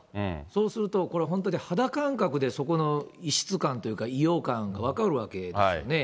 そうすると、これ本当に、肌感覚で異質感というか、異様感が分かるわけですね。